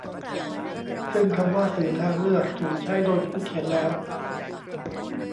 ซึ่งคำว่า 'สื่อทางเลือก' ถูกใช้โดยผู้เขียนแล้ว